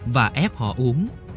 và ép họ uống